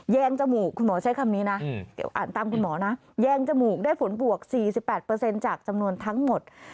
งจมูกคุณหมอใช้คำนี้นะอ่านตามคุณหมอนะแยงจมูกได้ผลบวก๔๘จากจำนวนทั้งหมด